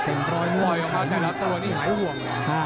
ปล่อยออกข้าวใจแล้วตัวนี้หายห่วง